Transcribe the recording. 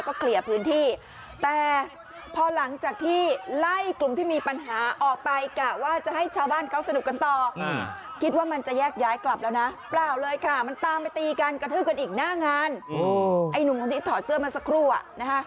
กระทืบกันอีกหน้างานไอ้หนุ่มตอนนี้ถอดเสื้อมาสักครู่อ่ะ